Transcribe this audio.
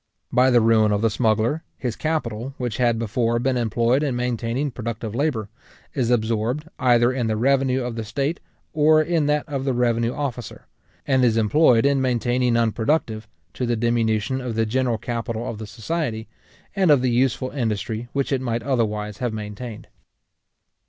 By the ruin of the smuggler, his capital, which had before been employed in maintaining productive labour, is absorbed either in the revenue of the state, or in that of the revenue officer; and is employed in maintaining unproductive, to the diminution of the general capital of the society, and of the useful industry which it might otherwise have maintained.